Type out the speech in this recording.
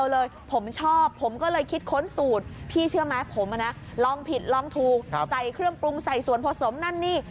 ลองผิดลองทูใส่เครื่องปรุงใส่ส่วนผสมนั่นนี่